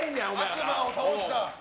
悪魔を倒した！